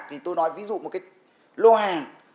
thì tôi nói ví dụ một cái lô hàng